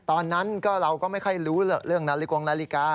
ตอนนั้นเราก็ไม่ค่อยรู้เรื่องนาฬิกงนาฬิกา